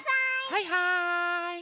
はいはい！